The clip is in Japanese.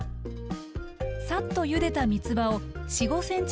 さっとゆでたみつばを４５ｃｍ